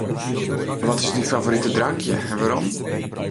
Wat is dyn favorite drankje en wêrom?